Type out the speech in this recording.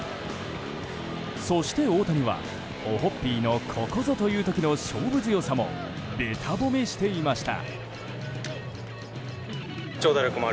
そして大谷は、オホッピーのここぞという時の勝負強さもべた褒めしていました。